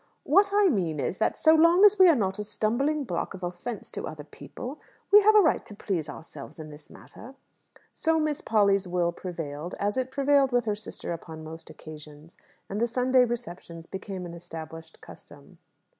"What I mean is, that, so long as we are not a stumbling block of offence to other people, we have a right to please ourselves in this matter." So Miss Polly's will prevailed, as it prevailed with her sister upon most occasions; and the Sunday receptions became an established custom.